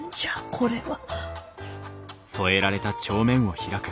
これは。